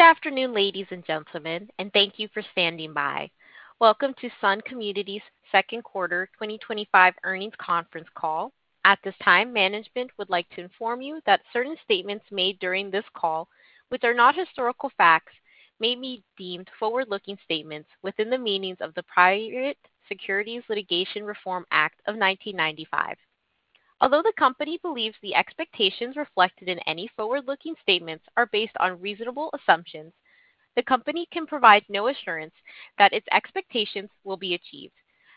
Good afternoon ladies and gentlemen and thank you for standing by. Welcome to Sun Communities second quarter 2025 earnings conference call. At this time, management would like to inform you that certain statements made during this call which are not historical facts may be deemed forward-looking statements within the meaning of the Private Securities Litigation Reform Act of 1995. Although the company believes the expectations reflected in any forward-looking statements are based on reasonable assumptions, the company can provide no assurance that its expectations will be achieved.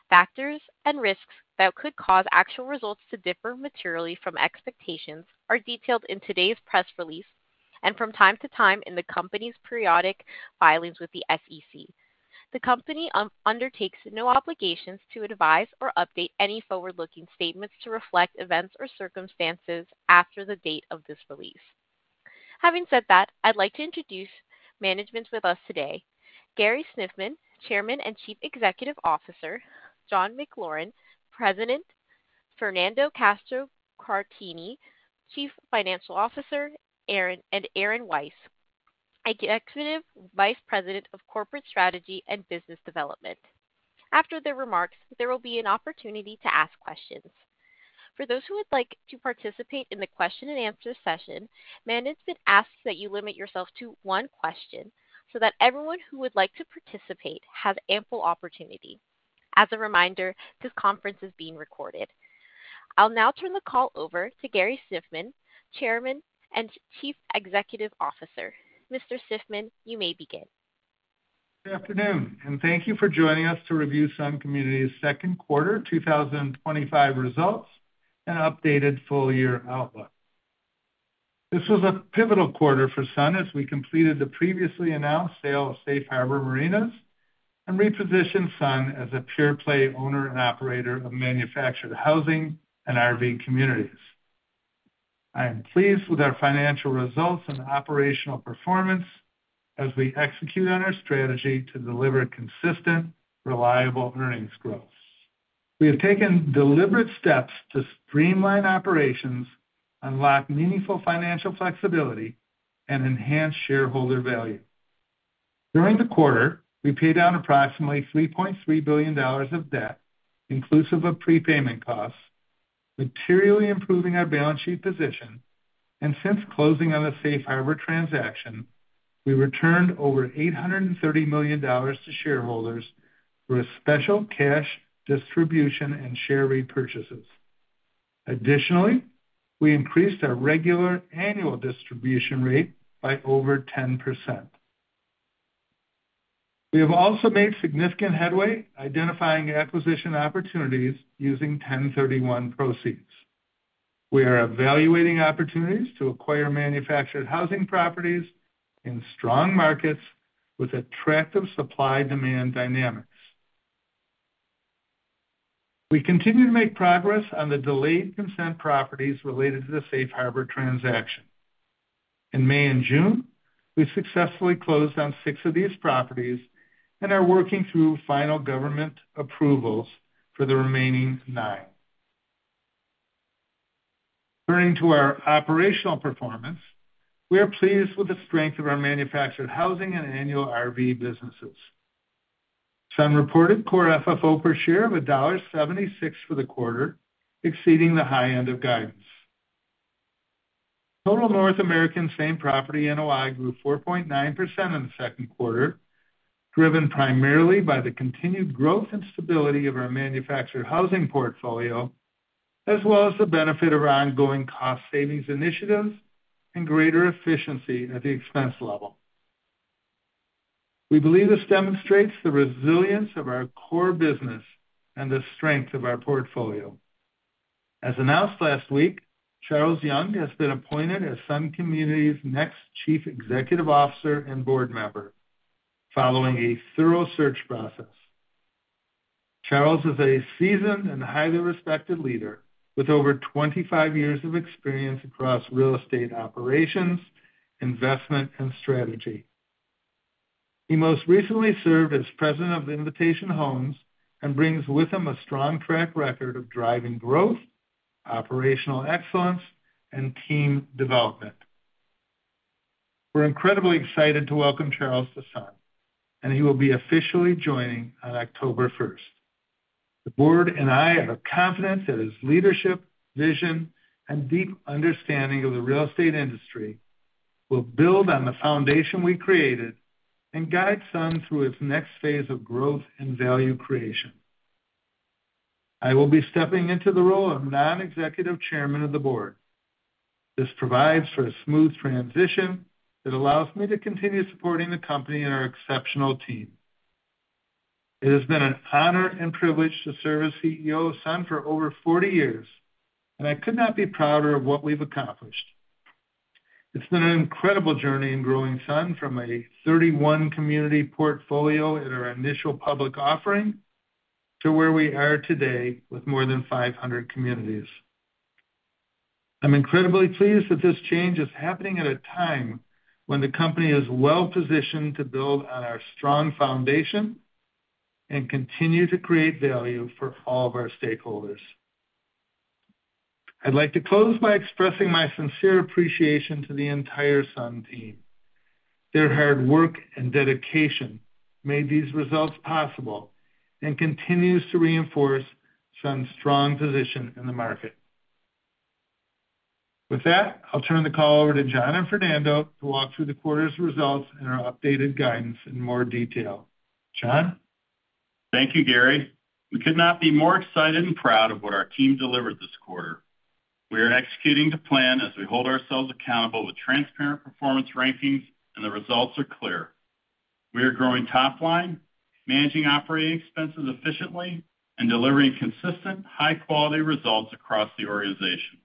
Factors and risks that could cause actual results to differ materially from expectations are detailed in today's press release and from time to time in the company's periodic filings with the SEC. The company undertakes no obligation to advise or update any forward-looking statements to reflect events or circumstances after the date of this release. Having said that, I'd like to introduce management with us today: Gary Shiffman, Chairman and Chief Executive Officer; John McLaren, President; Fernando Castro-Caratini, Chief Financial Officer; and Aaron Weiss, Executive Vice President of Corporate Strategy and Business Development. After their remarks, there will be an opportunity to ask questions for those who would like to participate in the question and answer session. Management asks that you limit yourself to one question so that everyone who would like to participate has ample opportunity. As a reminder, this conference is being recorded. I'll now turn the call over to Gary Shiffman, Chairman and Chief Executive Officer. Mr. Shiffman, you may begin. Good afternoon and thank you for joining us to review Sun Communities second quarter 2025 results and updated full year outlook. This was a pivotal quarter for Sun as we completed the previously announced sale of Safe Harbor Marinas and repositioned Sun as a pure-play owner and operator of manufactured housing and RV communities. I am pleased with our financial results and operational performance as we execute on our strategy to deliver consistent, reliable earnings growth. We have taken deliberate steps to streamline operations, unlock meaningful financial flexibility, and enhance shareholder value. During the quarter, we paid down approximately $3.3 billion of debt inclusive of prepayment costs, materially improving our balance sheet position. Since closing on the Safe Harbor transaction, we returned over $830 million to shareholders for a special cash distribution and share repurchases. Additionally, we increased our regular annual distribution rate by over 10%. We have also made significant headway identifying acquisition opportunities. Using 1031 exchange proceeds, we are evaluating opportunities to acquire manufactured housing properties in strong markets with attractive supply-demand dynamics. We continue to make progress on the delayed consent properties related to the Safe Harbor transaction. In May and June, we successfully closed on six of these properties and are working through final government approvals for the remaining nine. Turning to our operational performance, we are pleased with the strength of our manufactured housing and annual RV businesses. Sun reported core FFO per share of $1.76 for the quarter, exceeding the high end of guidance. Total North American same property NOI grew 4.9% in the second quarter, driven primarily by the continued growth and stability of our manufactured housing portfolio as well as the benefit of our ongoing cost savings initiatives and greater efficiency at the expense level. We believe this demonstrates the resilience of our core business and the strength of our portfolio. As announced last week, Charles Young has been appointed as Sun Communities next Chief Executive Officer and Board Member following a thorough search process. Charles is a seasoned and highly respected leader with over 25 years of experience across real estate operations, investment, and strategy. He most recently served as President of Invitation Homes and brings with him a strong track record of driving growth, operational excellence, and team development. We're incredibly excited to welcome Charles to Sun and he will be officially joining on October 1st. The Board and I are confident that his leadership, vision, and deep understanding of the real estate industry will build on the foundation we created and guide Sun through its next phase of growth and value creation. I will be stepping into the role of Non-Executive Chairman of the Board. This provides for a smooth transition that allows me to continue supporting the company and our exceptional team. It has been an honor and privilege to serve as CEO of Sun for over 40 years and I could not be prouder of what we've accomplished. It's been an incredible journey in growing Sun from a 31 community portfolio at our initial public offering to where we are today with more than 500 communities. I'm incredibly pleased that this change is happening at a time when the company is well positioned to build on our strong foundation and continue to create value for all of our stakeholders. I'd like to close by expressing my sincere appreciation to the entire Sun team. Their hard work and dedication made these results possible and continues to reinforce Sun's strong position in the market. With that, I'll turn the call over to John and Fernando to walk through the quarter's results and our updated guidance in more detail. John. Thank you Gary, we could not be more excited and proud of what our team delivered this quarter. We are executing the plan as we hold ourselves accountable with transparent performance rankings, and the results are clear. We are growing top line, managing operating expenses efficiently, and delivering consistent, high-quality results across the organization.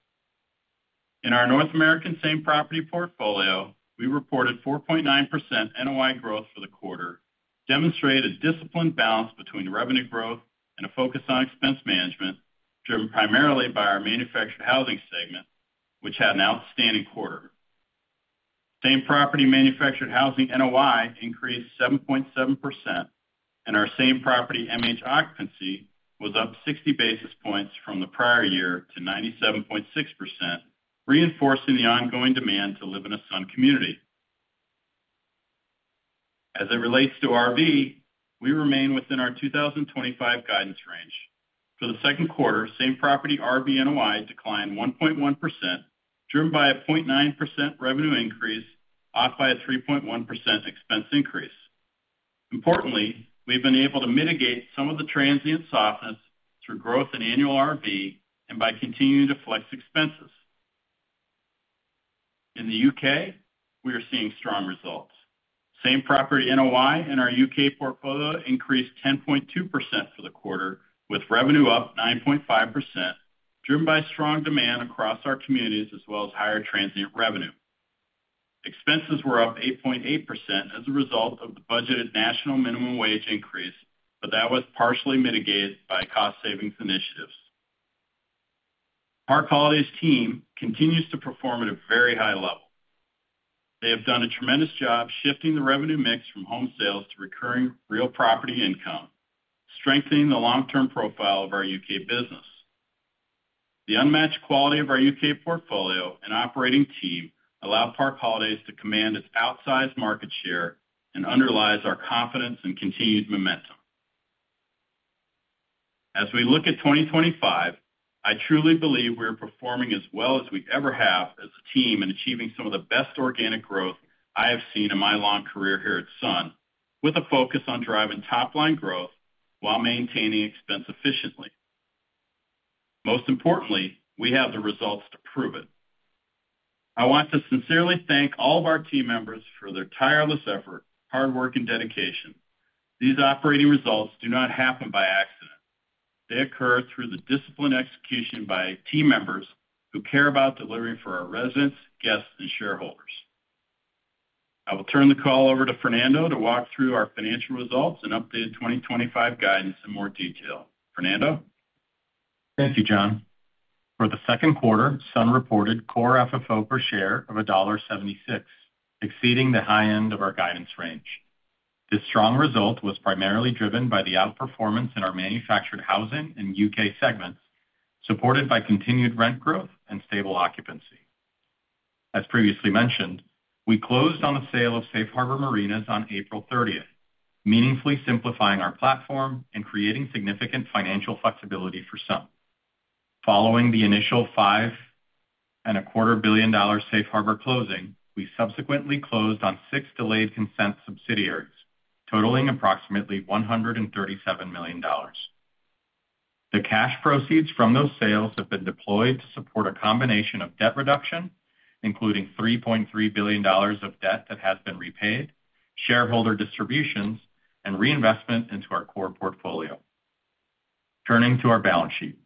In our North American same property portfolio, we reported 4.9% NOI growth for the quarter, demonstrating a disciplined balance between revenue growth and a focus on expense management, driven primarily by our manufactured housing segment, which had an outstanding quarter. Same property manufactured housing NOI increased 7.7%, and our same property MH occupancy was up 60 basis points from the prior year to 97.6%, reinforcing the ongoing demand to live in a Sun community. As it relates to RV, we remain within our 2025 guidance range. For the second quarter, same property RV NOI declined 1.1%, driven by a 0.9% revenue increase, offset by a 3.1% expense increase. Importantly, we've been able to mitigate some of the transient softness through growth in annual RV and by continuing to flex expenses. In the U.K., we are seeing strong results. Same property NOI in our U.K. portfolio increased 10.2% for the quarter, with revenue up 9.5%, driven by strong demand across our communities as well as higher transient revenue. Expenses were up 8.8% as a result of the budgeted national minimum wage increase, but that was partially mitigated by cost savings initiatives. The Park Holidays team continues to perform at a very high level. They have done a tremendous job shifting the revenue mix from home sales to recurring real property income, strengthening the long-term profile of our U.K. business. The unmatched quality of our U.K. portfolio and operating team allow Park Holidays to command its outsized market share and underlies our confidence and continued momentum. As we look at 2025, I truly believe we are performing as well as we ever have as a team and achieving some of the best organic growth I have seen in my long career here at Sun, with a focus on driving top line growth while maintaining expense efficiency. Most importantly, we have the results to prove it. I want to sincerely thank all of our team members for their tireless effort, hard work, and dedication. These operating results do not happen by accident. They occur through the disciplined execution by team members who care about delivering for our residents, guests, and shareholders. I will turn the call over to Fernando to walk through our financial results and updated 2025 guidance in more detail. Fernando. Thank you John. For the second quarter, Sun reported core FFO per share of $1.76, exceeding the high end of our guidance range. This strong result was primarily driven by the outperformance in our manufactured housing and U.K. segments, supported by continued rent growth and stable occupancy. As previously mentioned, we closed on the sale of Safe Harbor Marinas on April 30, meaningfully simplifying our platform and creating significant financial flexibility for Sun. Following the initial $5.25 billion Safe Harbor closing, we subsequently closed on six delayed consent subsidiaries totaling approximately $137 million. The cash proceeds from those sales have been deployed to support a combination of debt reduction, including $3.3 billion of debt that has been repaid, shareholder distributions, and reinvestment into our core portfolio. Turning to our balance sheet,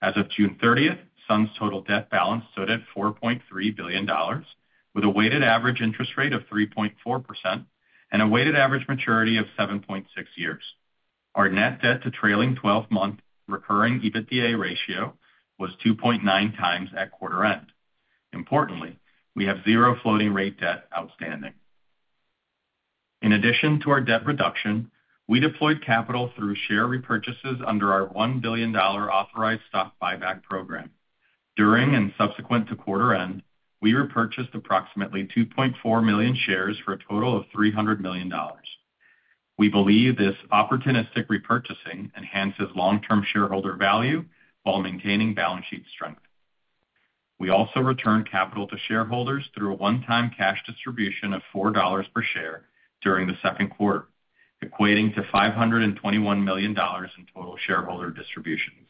as of June 30, Sun's total debt balance stood at $4.3 billion with a weighted average interest rate of 3.4% and a weighted average maturity of 7.6 years. Our net debt to trailing twelve month recurring EBITDA ratio was 2.9 times at quarter end. Importantly, we have zero floating rate debt outstanding. In addition to our debt reduction, we deployed capital through share repurchases under our $1 billion authorized stock buyback program. During and subsequent to quarter end, we repurchased approximately 2.4 million shares for a total of $300 million. We believe this opportunistic repurchasing enhances long term shareholder value while maintaining balance sheet strength. We also returned capital to shareholders through a one time cash distribution of $4 per share during the second quarter, equating to $521 million in total shareholder distributions.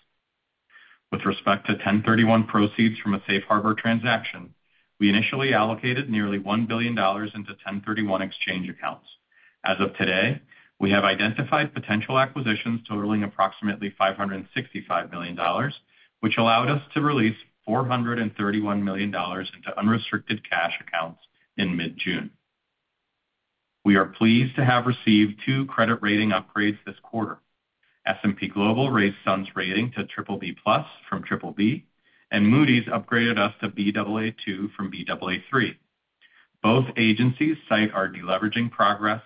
With respect to 1031 proceeds from a Safe Harbor transaction, we initially allocated nearly $1 billion into 1031 exchange accounts. As of today, we have identified potential acquisitions totaling approximately $565 million, which allowed us to release $431 million into unrestricted cash accounts in mid June. We are pleased to have received two credit rating upgrades this quarter. S&P Global raised Sun's rating to BBB from BBB- and Moody’s upgraded us to Baa2 from Baa3. Both agencies cite our deleveraging progress,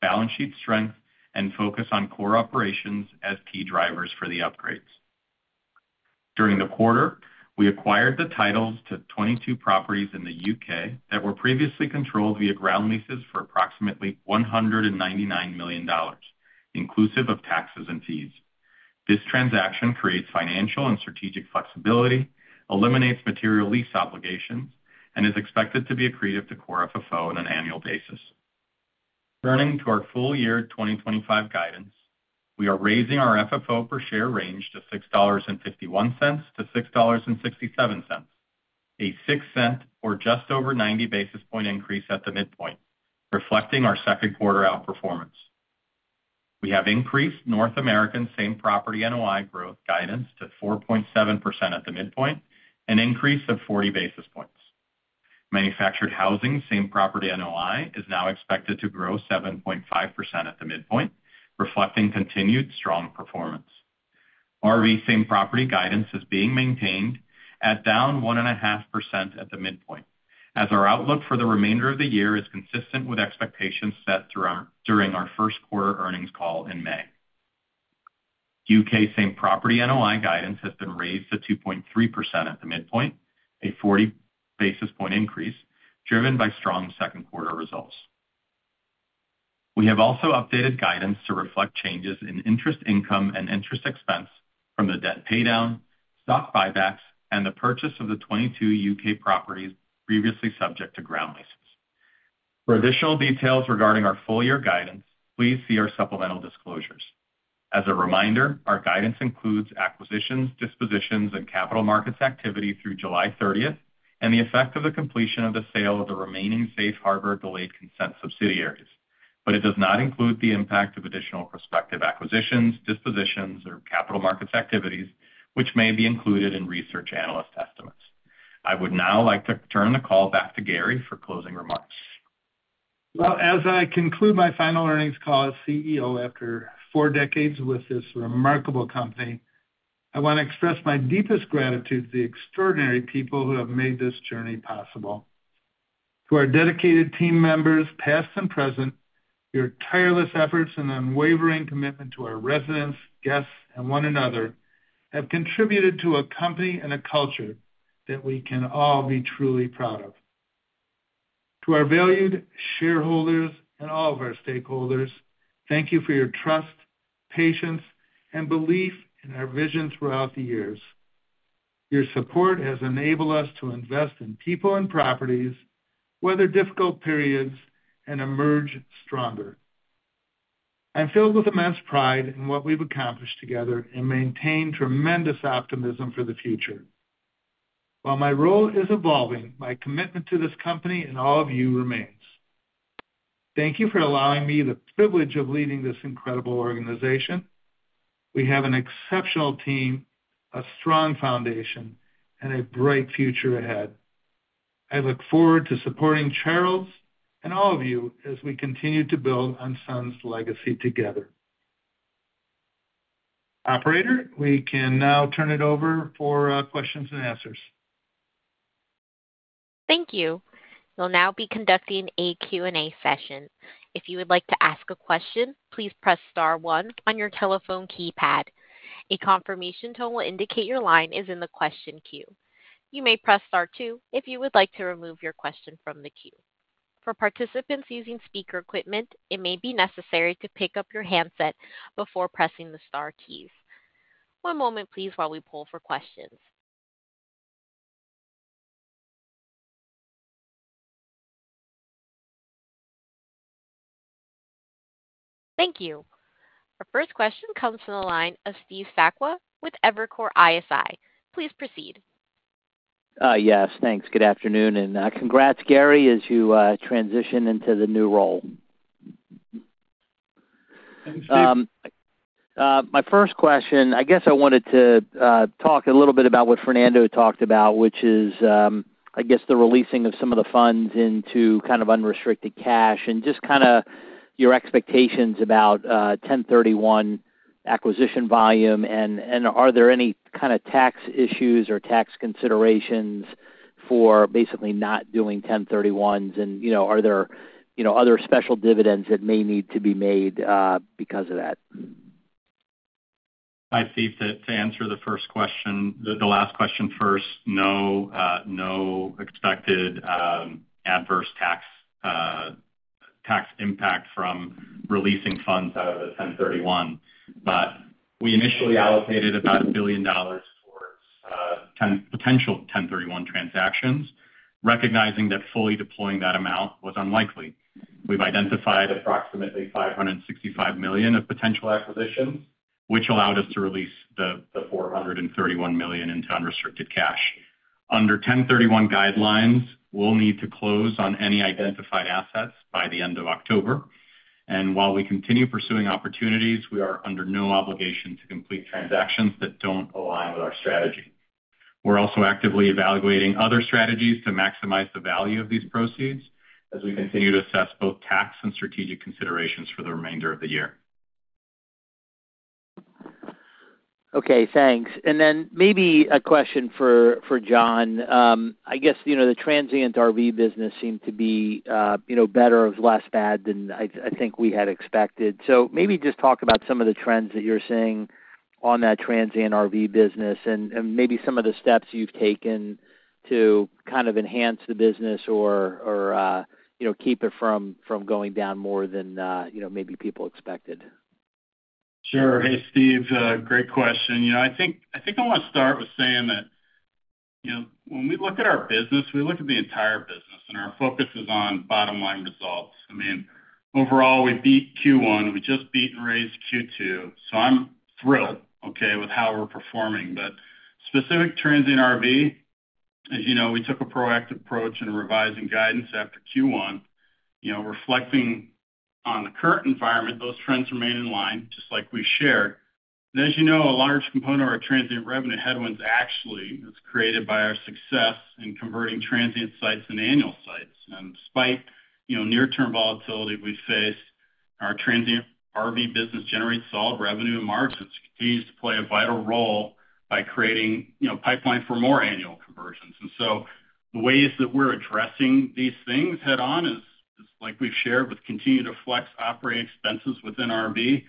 balance sheet strength, and focus on core operations as key drivers for the upgrades. During the quarter we acquired the titles to 22 properties in the UK that were previously controlled via ground leases for approximately $199 million inclusive of taxes and fees. This transaction creates financial and strategic flexibility, eliminates material lease obligations, and is expected to be accretive to core FFO on an annual basis. Turning to our full year 2025 guidance, we are raising our FFO per share range to $6.51 to $6.67, a $0.06 or just over 90 basis point increase at the midpoint. Reflecting our second quarter outperformance, we have increased North American same property NOI growth guidance to 4.7% at the midpoint, an increase of 40 basis points. Manufactured housing same property NOI is now expected to grow 7.5% at the midpoint, reflecting continued strong performance. RV same property guidance is being maintained at down 1.5% at the midpoint as our outlook for the remainder of the year is consistent with expectations set during our first quarter earnings call in May. UK same property NOI guidance has been raised to 2.3% at the midpoint, a 40 basis point increase driven by strong second quarter results. We have also updated guidance to reflect changes in interest income and interest expense from the debt paydown, stock buybacks, and the purchase of the 22 U.K. properties previously subject to ground leases. For additional details regarding our full year guidance, please see our supplemental disclosures. As a reminder, our guidance includes acquisitions, dispositions, and capital markets activity through July 30 and the effect of the completion of the sale of the remaining Safe Harbor Delayed Consent subsidiaries, but it does not include the impact of additional prospective acquisitions, dispositions, or capital markets activities which may be included in research analyst estimates. I would now like to turn the call back to Gary for closing remarks. As I conclude my final earnings call as CEO after four decades with this remarkable company, I want to express my deepest gratitude to the extraordinary people who have made this journey possible. To our dedicated team members, past and present, your tireless efforts and unwavering commitment to our residents, guests, and one another have contributed to a company and a culture that we can all be truly proud of. To our valued shareholders and all of our stakeholders, thank you for your trust, patience, and belief in our vision. Throughout the years, your support has enabled us to invest in people and properties, weather difficult periods, and emerge stronger. I'm filled with immense pride in what we've accomplished together and maintain tremendous optimism for the future. While my role is evolving, my commitment to this company and all of you remains. Thank you for allowing me the privilege of leading this incredible organization. We have an exceptional team, a strong foundation, and a bright future ahead. I look forward to supporting Charles and all of you as we continue to build on Sun's legacy together. Operator, we can now turn it over for questions and answers. Thank you. You'll now be conducting a Q&A session. If you would like to ask a question, please press star one on your telephone keypad. A confirmation tone will indicate your line is in the question queue. You may press Star two if you would like to remove your question from the queue. For participants using speaker equipment, it may be necessary to pick up your handset before pressing the star keys. One moment, please, while we poll for questions. Thank you. Our first question comes from the line of Steve Sakwa with Evercore ISI. Please proceed. Yes, thanks. Good afternoon and congrats, Gary, as you transition into the new role. My first question, I guess I wanted to talk a little bit about what Fernando talked about, which is the releasing of some of the funds into unrestricted cash. Just your expectations about 1031 acquisition volume and are there any tax issues or tax considerations for basically not doing 1031s? Are there other special distributions that may need to be made because of that? Hi Steve, to answer the first question, the last question first, no expected adverse. Tax. Impact from releasing funds out of the 1031, but we initially allocated about $1 billion towards potential 1031 transactions, recognizing that fully deploying that amount was unlikely. We've identified approximately $565 million of potential acquisitions which allowed us to release the $431 million into unrestricted cash under 1031 guidelines. We'll need to close on any identified assets by the end of October. While we continue pursuing opportunities, we are under no obligation to complete transactions. That don't align with our strategy. We're also actively evaluating other strategies to maximize the value of these proceeds. We continue to assess both tax and strategic considerations for the remainder of the year. Okay, thanks. Maybe a question for John. I guess the transient RV business seemed to be better or less bad than I think we had expected. Maybe just talk about some of the trends that you're seeing on that transient RV business and maybe some of the steps you've taken to kind of enhance the business or keep it from going down more than maybe people expected. Sure. Hey Steve, great question. I think I want to start with saying that when we look at our business, we look at the entire business and our focus is on bottom line results. Overall, we beat Q1, we just beat and raise Q2. I'm thrilled with how we're performing. Specific to transient RV, as you know, we took a proactive approach in revising guidance after Q1, reflecting on the current environment, those trends remain in line. Just like we shared, as you know, a large component of our transient revenue headwinds actually is created by our success in converting transient sites and annual sites. Despite near term volatility we face, our transient RV business generates solid revenue and margins, continues to play a vital role by creating pipeline for more annual conversions. The ways that we're addressing these things head on is like we've shared, we continue to flex operating expenses within RV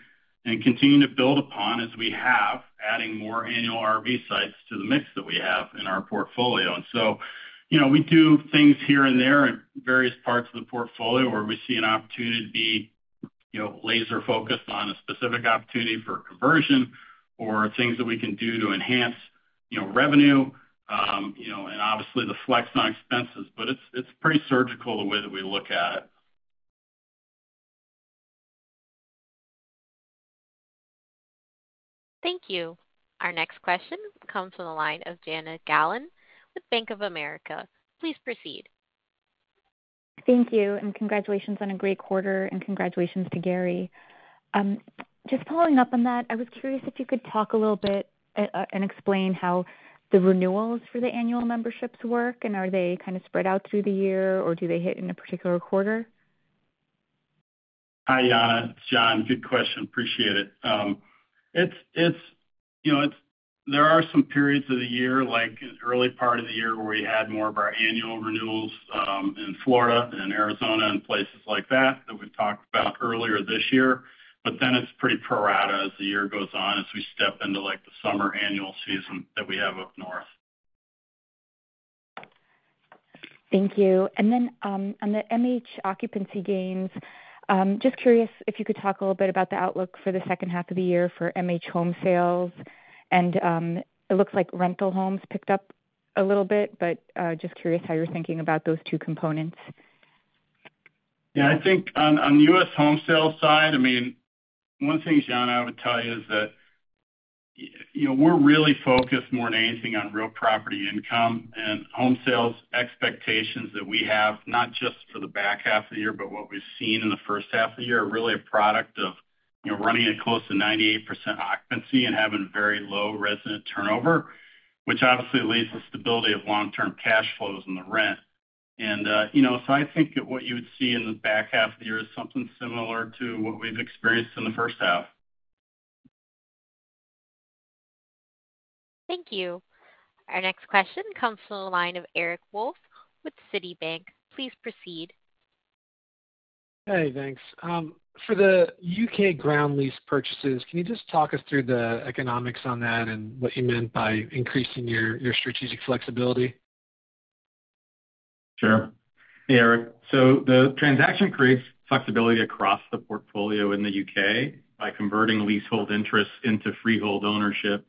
and continue to build upon as we have, adding more annual RV sites to the mix that we have in our portfolio. We do things here and there in various parts of the portfolio where we see an opportunity to be laser focused on a specific opportunity for conversion or things that we can do to enhance revenue and obviously the flex on expenses. It's pretty surgical the way that we look at it. Thank you. Our next question comes from the line of Jana Galan with Bank of America. Please proceed. Thank you. Congratulations on a great quarter and congratulations to Gary. I was curious if you could talk a little bit and explain how the renewals for the annual memberships work and are they kind of spread out through the year or do they hit in a particular quarter? Hi Jana, it's John. Good question. Appreciate it. There are some periods of the year, like early part of the year where we had more of our annual renewals in Florida and Arizona and places like that that we talked about earlier this year. It's pretty pro rata as the year goes on, as we step into the summer annual season that we have up north. Thank you. On the MH occupancy gains, just curious if you could talk a little bit about the outlook for the second half of the year for MH home sales. It looks like rental homes picked up a little bit, but just curious how you're thinking about those two components. Yeah, I think on the U.S. home sales side, I mean, one thing, John, I would tell you is that, you know, we're really focused more than anything on real property income and home sales expectations that we have, not just for the back half of the year, but what we've seen in the first half of the year are really a product of, you know, running at close to 98% occupancy and having very low resident turnover, which obviously leads to stability of long-term cash flows in the rent, and, you know, I think what you would see in the back half of the year is something similar to what we've experienced in the first half. Thank you. Our next question comes from the line of Eric Wolfe with Citi Bank. Please proceed. Hey, thanks. For the UK ground lease purchases, can you just talk us through the economics on that and what you meant by increasing your strategic flexibility? Sure. Hey, Eric. The transaction creates flexibility across the portfolio. In the UK, by converting leasehold interest into freehold ownership,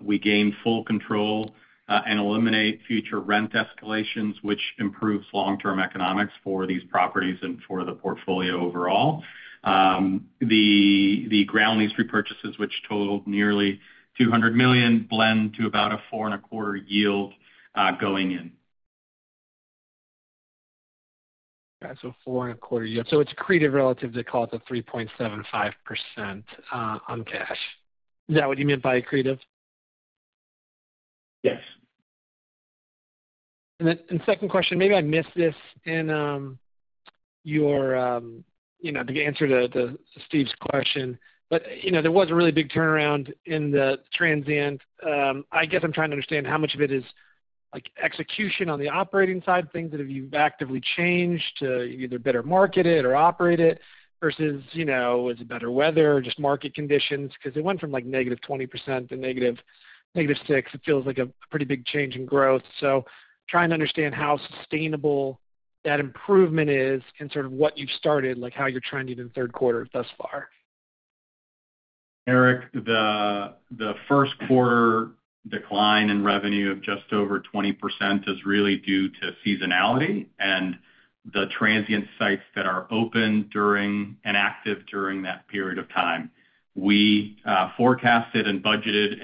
we gain full control and eliminate future rent escalations, which improves long-term economics for these properties and for the portfolio overall. The ground lease repurchases, which totaled nearly $200 million, blend to about a 4%. A quarter yield going in. Four and a quarter yield it's accretive relative to, call it, the 3.75% on cash. Is that what you meant by accretive? Yes. The second question, maybe I missed this in your, you know, the answer to Steve's question, but there was a really big turnaround in the transient. I guess I'm trying to understand how much of it is execution on the operating side. Things that have actively changed to either better market it or operate it versus is it better weather, just market conditions? Because it went from negative 20% to negative 6%, it feels like a pretty big change in growth. I'm trying to understand how sustainable that improvement is and sort of what you've started, like how you're trending in third quarter thus far. Eric, the first quarter decline in revenue of just over 20% is really due to seasonality and the transient sites that are open and active during that period of time. We forecasted and budgeted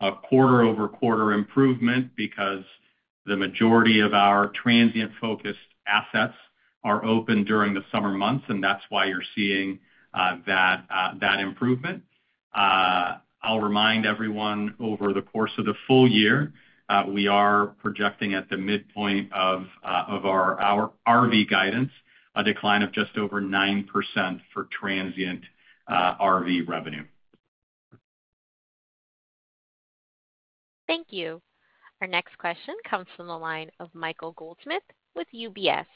a quarter-over-quarter improvement because the majority of our transient-focused assets are open during the summer months. That's why you're seeing that improvement. I'll remind everyone, over the course of the full year, we are projecting at the midpoint of our RV guidance a decline of just over 9% for transient RV revenue. Thank you. Our next question comes from the line of Michael Goldsmith with UBS.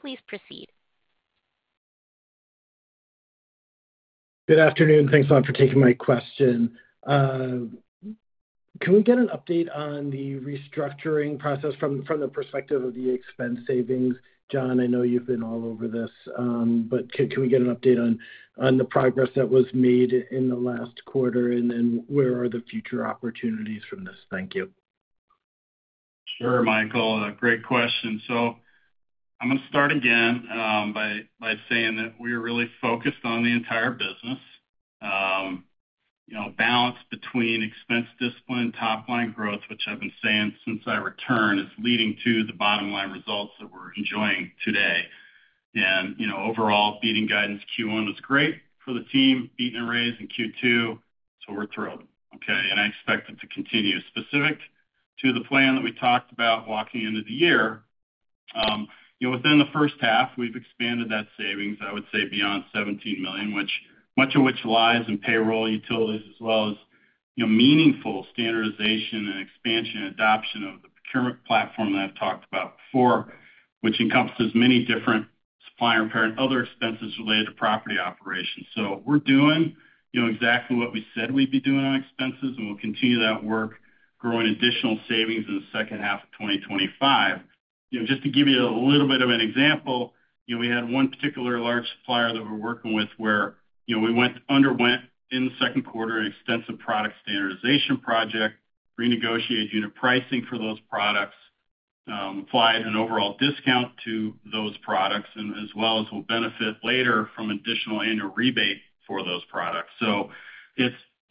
Please proceed. Good afternoon. Thanks a lot for taking my question. Can we get an update on the restructuring process from the perspective of the expense savings? John, I know you've been all over. Can we get an update on the progress that was made in the last quarter and where are the. Future opportunities from this? Thank you. Sure. Michael, great question. I'm going to start again by saying that we are really focused on the entire business, you know, balance between expense discipline and top line growth, which I've been saying since I returned is leading to the bottom line results that we're enjoying today. Overall, beating guidance Q1 was great for the team, beating a raise in Q2, so we're thrilled. I expect it to continue specific to the plan that we talked about walking into the year. Within the first half, we've expanded that savings, I would say beyond $17 million, much of which lies in payroll, utilities, as well as meaningful standardization and expansion, adoption of the procurement platform that I've talked about before, which encompasses many different supply and repair and other expenses related to property operations. We're doing exactly what we said we'd be doing on expenses and we'll continue that work, growing additional savings in the second half of 2025. Just to give you a little bit of an example, we had one particular large supplier that we're working with where we underwent in the second quarter extensive product standardization project, renegotiated unit pricing for those products, applied an overall discount to those products, and as well as will benefit later from additional annual rebate for those products.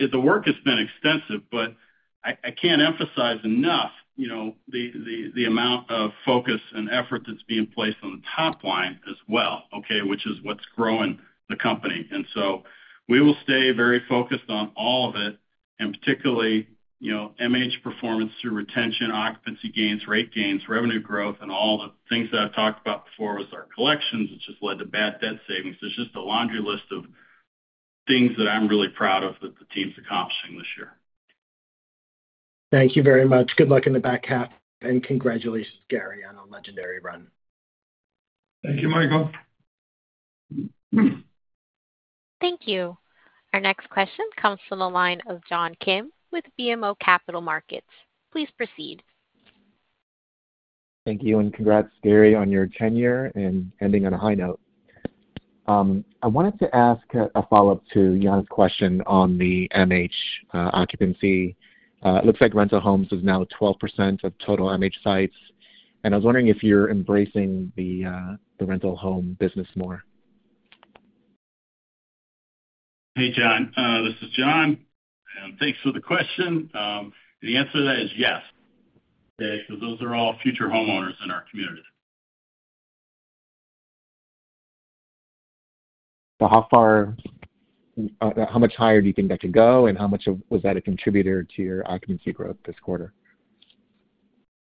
The work has been extensive, but I can't emphasize enough the amount of focus and effort that's being placed on the top line as well, which is what's growing the companies themselves. We will stay very focused on all of it and particularly, you know, manufactured housing performance through retention, occupancy gains, rate gains, revenue growth, and all the things that I've talked about before with our collections, which has led to bad debt savings. There's just a laundry list of things that I'm really proud of that the team's accomplishing this year. Thank you very much. Good luck in the back half, and congratulations, Gary, on a legendary run. Thank you, Michael. Thank you. Our next question comes from the line of John Kim with BMO Capital Markets. Please proceed. Thank you. Congrats, Gary, on your tenure. Ending on a high note. I wanted to ask a follow-up to Jana's question on the MH occupancy. It looks like rental homes is now 12% of total MH sites, and I was wondering if you're embracing the rental home business more. Hey, John. This is John. Thanks for the question. The answer to that is yes. Okay, those are all future homeowners in our community. How far, how much higher do you think that could go, and how much was that a contributor to your occupancy growth this quarter?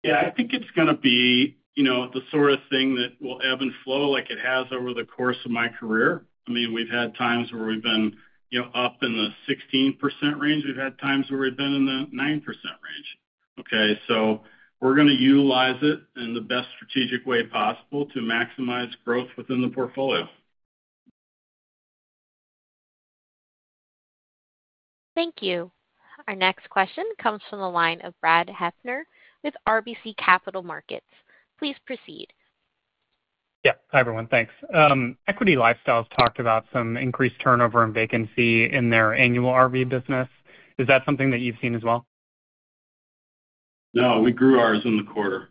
I think it's going to be the sort of thing that will ebb and flow like it has over the course of my career. We've had times where we've been up in the 16% range. We've had times where we've been in the 9% range. We're going to utilize it in the best strategic way possible to maximize growth within the portfolio. Thank you. Our next question comes from the line of Bradley Barrett Heffern with RBC Capital Markets. Please proceed. Yeah, hi everyone. Thanks. Equity Lifestyle has talked about some increased turnover and vacancy in their annual RV business. Is that something that you've seen as well? No, we grew ours in the quarter.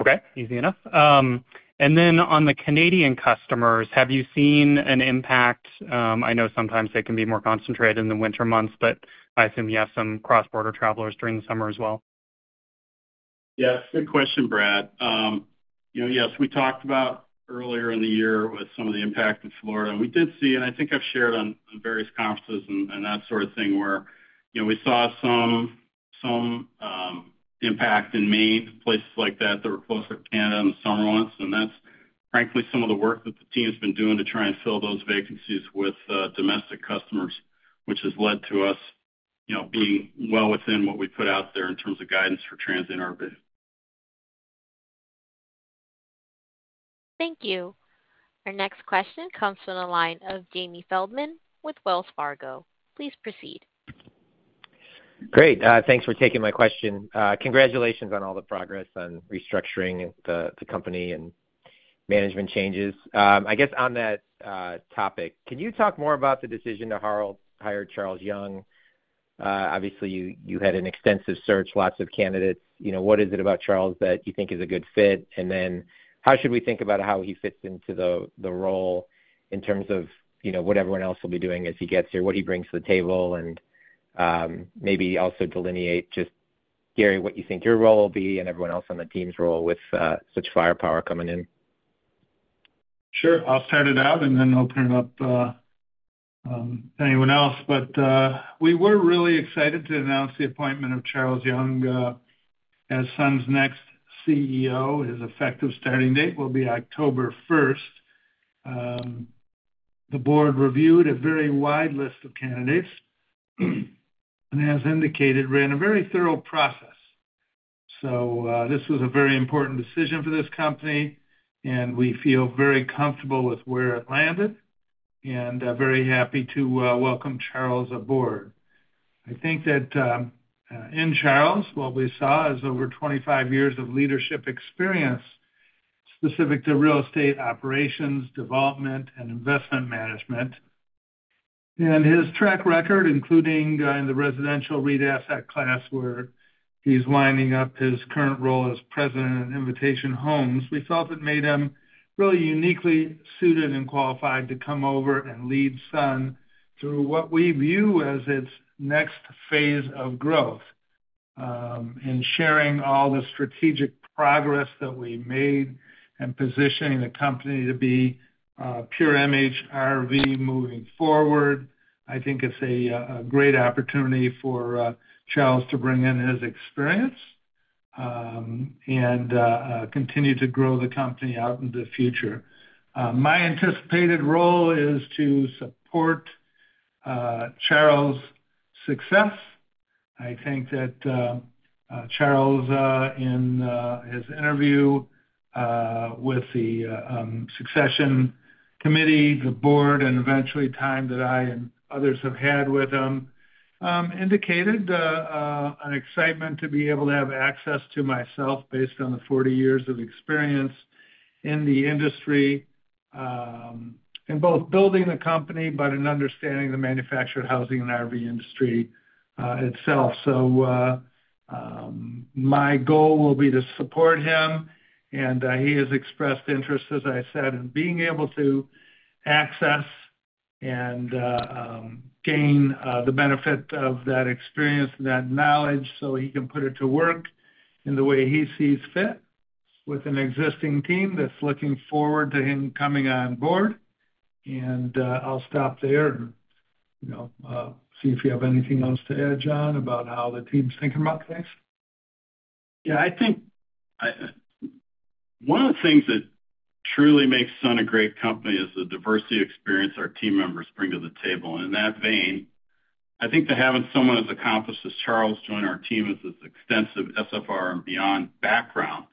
Okay, easy enough. On the Canadian customers, have you seen an impact, I know sometimes they can be more concentrated in the winter months, but I assume you have some cross border travelers during the summer as well. Yeah, good question, Brad. Yes, we talked about earlier in the year with some of the impact in Florida. We did see, and I think I've shared on various conferences and that sort of thing where, you know, we saw some impact in Maine, places like that, that were closer to Canada in the summer months. That's frankly some of the work that the team's been doing to try and fill those vacancies with domestic customers, which has led to us being well within what we put out there in terms of guidance for transient RV. Thank you. Our next question comes from the line of Jamie Feldman with Wells Fargo. Please proceed. Great. Thanks for taking my question. Congratulations on all the progress on restructuring the company and management changes, I guess. On that topic, can you talk more about the decision to hire Charles Young? Obviously you had an extensive search, lots of candidates. What is it about Charles that you think is a good fit? How should we think about how he fits into the role in terms of what everyone else will be doing as he gets here, what he brings to the table, and maybe also delineate just Gary, what you think your role will be and everyone else on the team's role with such firepower coming in? Sure, I'll start it out and then open it up anyone else. We were really excited to announce the appointment of Charles Young as Sun's next CEO. His effective starting date will be October 1st. The Board reviewed a very wide list of candidates and, as indicated, ran a very thorough process. This was a very important decision for this company, and we feel very comfortable with where it landed and very happy to welcome Charles aboard. I think that in Charles, what we saw is over 25 years of leadership experience specific to real estate operations, development, and investment management. His track record, including in the residential REIT asset class where he's winding up his current role as President at Invitation Homes, made him really uniquely suited and qualified to come over and lead Sun through what we view as its next phase of growth and sharing all the strategic progress that we made and positioning the company to be pure MH RV moving forward. I think it's a great opportunity for Charles to bring in his experience. and continue to grow the company out into the future. My anticipated role is to support Charles' success. I think that Charles, in his interview with the succession committee, the board, and eventually time that I and others have had with him, indicated an excitement to be able to have access to myself based on the 40 years of experience in the industry, in both building the company, but in understanding the manufactured housing and RV industry itself. My goal will be to support him. He has expressed interest, as I said, in being able to access and gain the benefit of that experience, that knowledge, so he can put it to work in the way he sees fit with an existing team that's looking forward to him coming on board. I'll stop there and see if you have anything else to add, John, about how the team's thinking about things. Yeah, I think. One of the things that truly makes Sun a great company is the diversity of experience our team members bring to the table. In that vein, I think having someone as accomplished as Charles join our team, as his extensive SFR and beyond background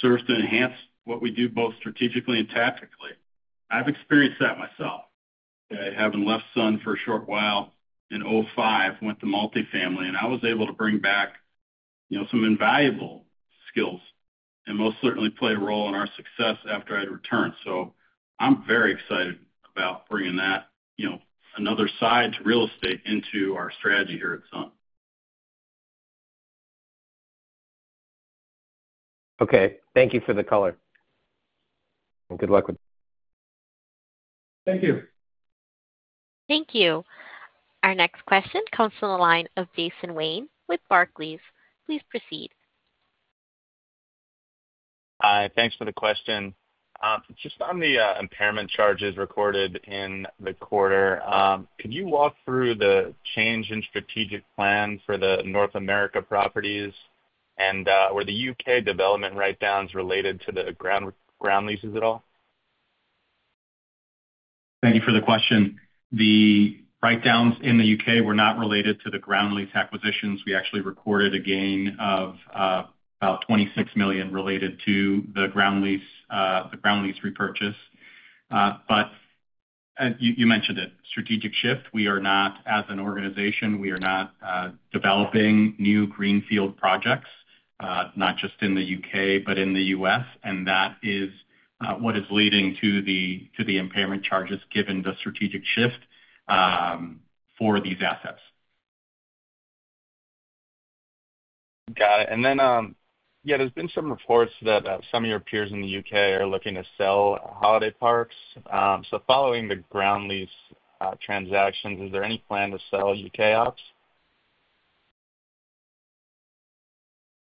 serves to enhance what we do both strategically and tactically. I've experienced that myself, having left Sun for a short while in 2005, went to multifamily, and I was able to bring back some invaluable skills and most certainly played a role in our success after I'd returned. I'm very excited about bringing that, you know, another side to real estate into our strategy here at Sun. Okay, thank you for the color. Good luck with it. Thank you. Thank you. Our next question comes from the line of Jason Wayne with Barclays. Please proceed. Hi, thanks for the question. Just on the impairment charges recorded in the quarter, can you walk through the change in strategic plan for the North America properties and were the U.K. development write downs related to the ground leases at all? Thank you for the question. The write downs in the U.K. were not related to the ground lease acquisitions. We actually recorded a gain of about $26 million related to the ground lease. The ground lease repurchase, but you mentioned it. Strategic shift. We are not, as an organization, developing new greenfield projects, not just in the U.K. but in the U.S., and that is what is leading to the impairment charges given the strategic shift for these assets. Got it. There have been some reports that some of your peers in the U.K. are looking to sell holiday parks. Following the ground lease transactions, is there any plans to sell U.K. ops?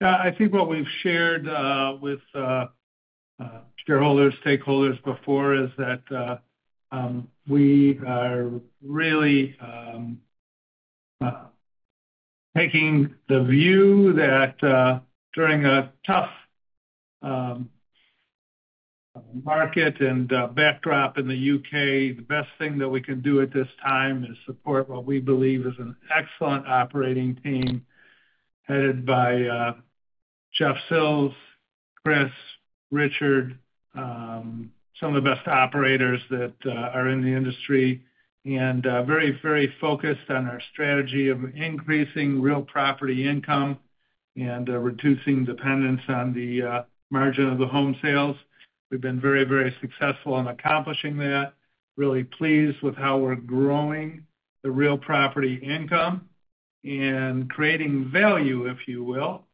I think what we've shared with shareholders and stakeholders before is that we are really taking the view that during a tough market and backdrop in the U.K., the best thing that we can do at this time is support what we believe is an excellent operating team headed by Jeff Sills, Chris, Richard, some of the best operators that are in the industry and very, very focused on our strategy of increasing real property income and reducing dependence on the margin of the home sales. We've been very, very successful in accomplishing that. Really pleased with how we're growing the real property income and creating value, if you will,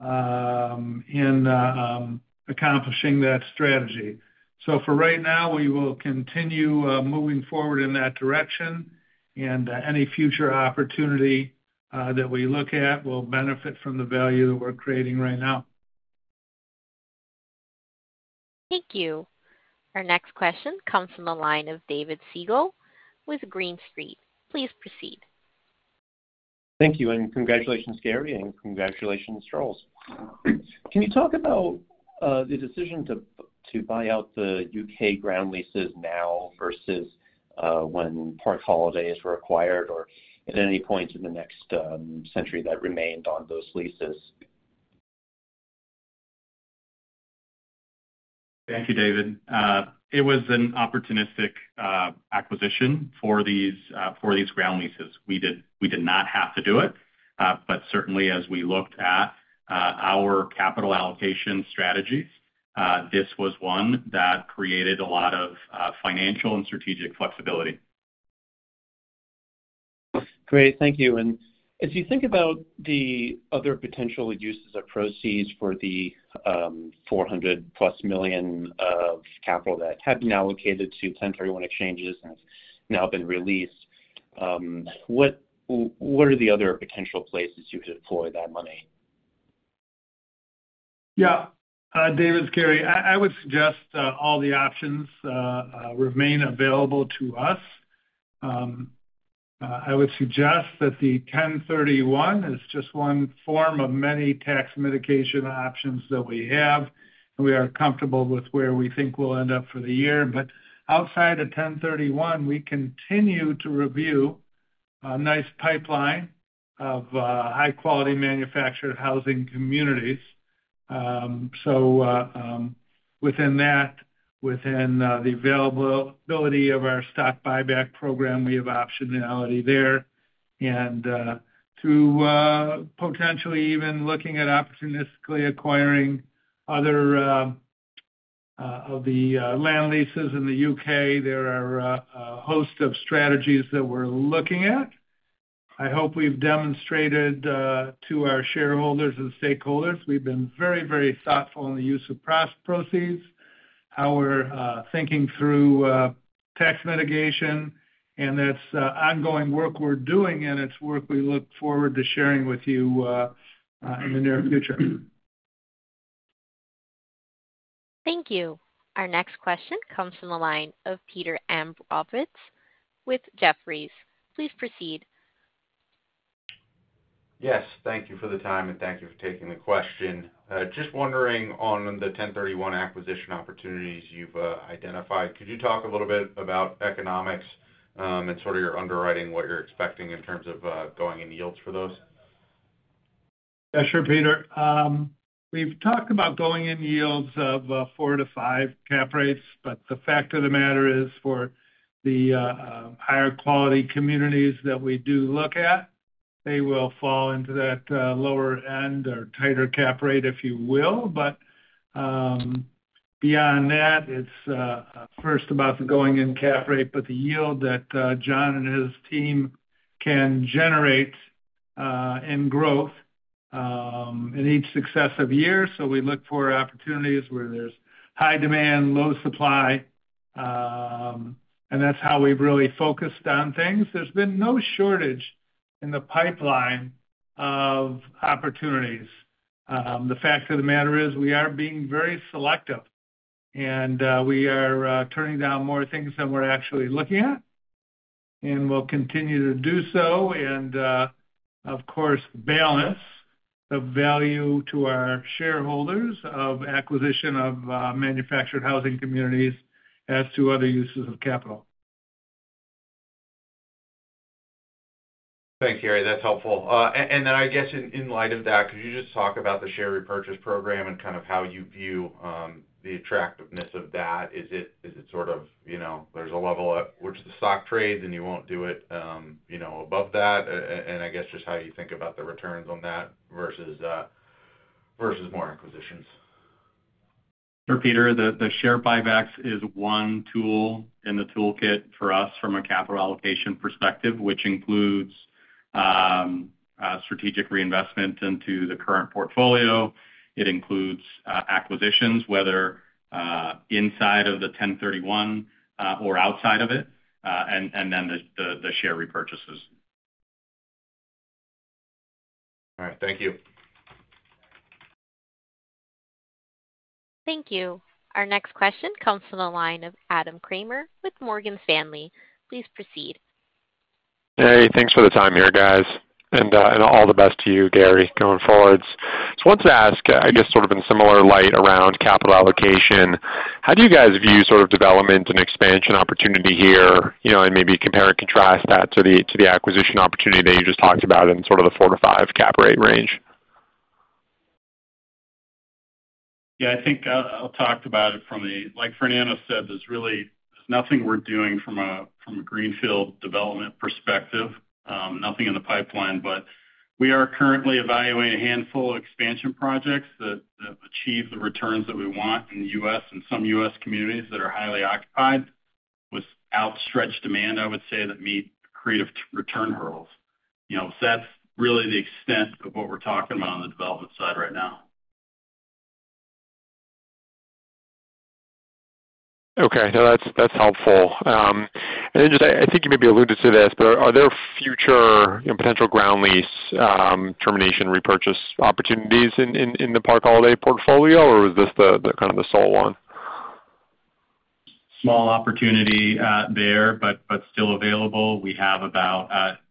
in accomplishing that strategy. For right now, we will continue moving forward in that direction and any future opportunity that we look at will benefit from the value that we're creating right now. Thank you. Our next question comes from the line of David Segall with Green Street. Please proceed. Thank you, and congratulations, Gary. Congratulations, Charles. Can you talk about the decision to buy out the U.K. ground leases now Versus when Park Holidays were acquired or at any point in the next century that remained on those leases. Thank you, David. It was an opportunistic acquisition for these ground leases. We did not have to do it. As we looked at our capital allocation strategies, this was one that created a lot of financial and strategic flexibility. Great, thank you. As you think about the other potential uses of proceeds for the $400+ million of capital that have been allocated to 1031 exchanges and now been released. What are the other potential places you could deploy that money? Yeah, David. Gary, I would suggest all the options remain available to us. I would suggest that the 1031 exchange is just one form of many tax mitigation options that we have, and we are comfortable with where we think we'll end up for the year. Outside of 1031, we continue to review a nice pipeline of high quality manufactured housing communities. Within that, within the availability of our stock buyback program, we have optionality there. Through potentially even looking at opportunistically acquiring other of the land leases in the U.K., there are a host of strategies that we're looking at. I hope we've demonstrated to our shareholders and stakeholders we've been very, very thoughtful in the use of proceeds, how we're thinking through tax mitigation, and that's ongoing work we're doing, and it's work we look forward to sharing with you in the near future. Thank you. Our next question comes from the line of Peter Abramowitz with Jefferies. Please proceed. Yes, thank you for the time. Thank you for taking the question. Just wondering on the 1031 acquisition opportunities you've identified. Could you talk a little bit about economics and sort of your underwriting, what you're expecting in terms of going in yields for those? Yeah, sure, Peter. We've talked about going in yields of 4 to 5% cap rates. The fact of the matter is, for the higher quality communities that we do look at, they will fall into that lower end or tighter cap rate, if you will. Beyond that, it's first about the going in cap rate, but the yield that John and his team can generate in growth in each successive year. We look for opportunities where there's high demand, low supply, and that's how we've really focused on things. There's been no shortage in the pipeline of opportunities. The fact of the matter is we are being very selective and we are turning down more things than we're actually looking at. We'll continue to do so and, of course, balance the value to our shareholders of acquisition of manufactured housing communities as to other uses of capital. Thanks, Gary, that's helpful. I guess in light of. Could you just talk about the share repurchase program and kind of how you view the attractive of that is it sort of you know, there's a level at which the stock trades and you won't do it, you know, above that, and I guess just how you think about the returns on that versus more acquisitions. Peter, the share repurchases is one tool in the toolkit for us from a capital allocation perspective, which includes strategic reinvestment into the current portfolio. It includes acquisitions whether inside of the 1031 exchange or outside of it, and then the share repurchases. All right, thank you. Thank you. Our next question comes from the line of Adam Kramer with Morgan Stanley. Please proceed. Hey, thanks for the time here, guys. All the best to you, Gary, going forward. I wanted to ask, I guess sort of in similar light around cash capital allocation, how do you guys view sort of development and expansion opportunity here and maybe compare and contrast that to the acquisition opportunity that you just talked about in sort of the 4% to 5% cap rate range? Yeah, I think I'll talk about it from the, like Fernando said, there's really nothing we're doing from a greenfield development perspective, nothing in the pipeline, but we are currently evaluating a handful of expansion projects that achieve the returns that we want in the U.S. and some U.S. communities that are highly occupied with outstretched demand, I would say that meet creative return hurdles. That's really the extent of what we're talking about on the development side right now. Okay. That's helpful. I think you maybe alluded to this, but are there future potential ground lease termination repurchase opportunities in the Park Holidays portfolio, or is this kind of the Solon. Small opportunity there, but still available? We have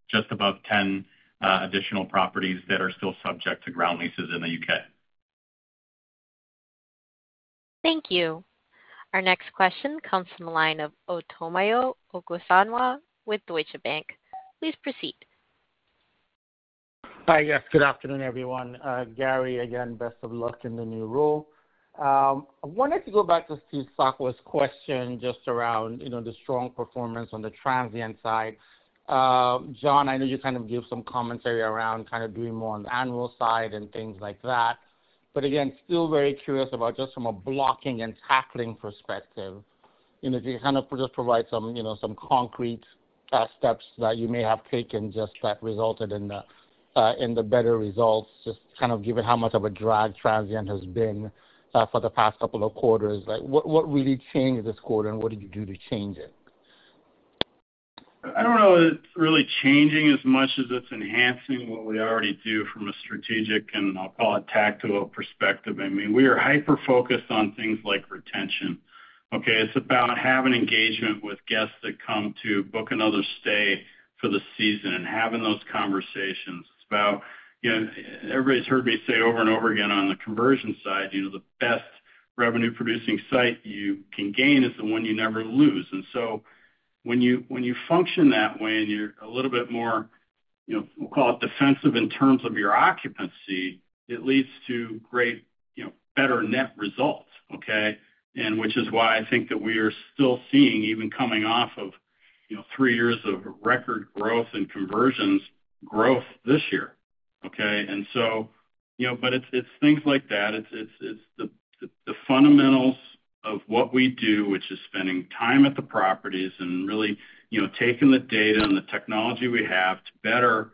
just above 10 additional properties that are still subject to ground. Leases in the U.K. Thank you. Our next question comes from the line of Omotayo Okusanya with Deutsche Bank. Please proceed. Hi, yes, good afternoon everyone. Gary, again, best of luck in the new role. I wanted to go back to Steve Sakwa's question just around the strong performance on the transient side. John, I know you kind of gave some commentary around kind of doing more on the annual side and things like that, but again, still very curious about just from a blocking and tackling perspective, if you kind of just provide some concrete steps that you may have taken that resulted in the better results. Given how much of a drag transient has been for the past couple of quarters, what really changed this quarter? What did you do to change it? I don't know. It's really changing as much as it's enhancing what we already do. From a strategic and I'll call it tactical perspective, we are hyper focused on things like retention. It's about having engagement with guests that come to book another stay for the season and having those conversations. Everybody's heard me say over and over again on the conversion side, the best revenue producing site you can gain is the one you never lose. When you function that way and you're a little bit more, we'll call it defensive in terms of your occupancy, it leads to great, better net result. Which is why I think that we are still seeing, even coming off of three years of record growth and conversions, growth this year. It's things like that, it's the fundamentals of what we do, which is spending time at the properties and really taking the data and the technology we have to better.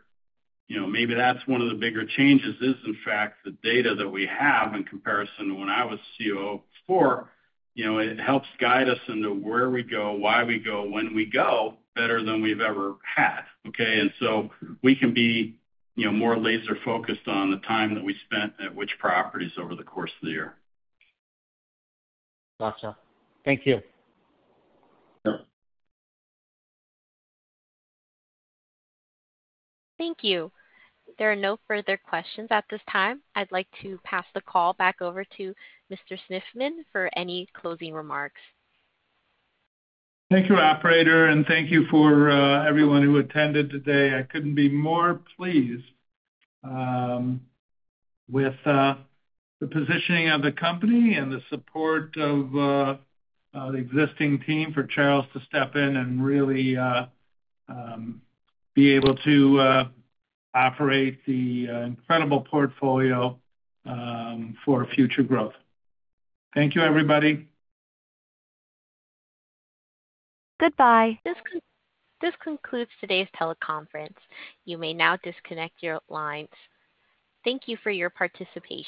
Maybe that's one of the bigger changes is in fact the data that we have in comparison to when I was COO before. It helps guide us into where we go, why we go, when we go better than we've ever had. We can be more laser focused on the time that we spent at which properties over the course of the year. Gotcha. Thank you. Thank you. There are no further questions at this time. I'd like to pass the call back over to Mr. Shiffman for any closing remarks. Thank you, operator. Thank you for everyone who attended today. I couldn't be more pleased with the positioning of the company and the support of the existing team for Charles to step in and really be able to operate the incredible portfolio for future growth. Thank you, everybody. Goodbye. This concludes today's teleconference. You may now disconnect your lines. Thank you for your participation.